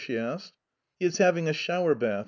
she asked. "He is having a shower bath.